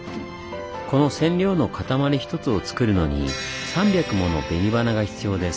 この染料の塊ひとつを作るのに３００もの紅花が必要です。